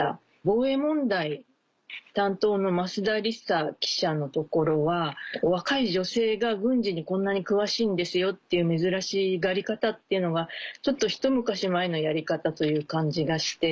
防衛問題担当の増田理紗記者のところは若い女性が軍事にこんなに詳しいんですよっていう珍しがり方っていうのがちょっとひと昔前のやり方という感じがして。